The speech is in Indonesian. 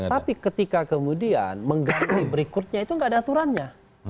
tapi ketika kemudian mengganti berikutnya itu nggak ada aturannya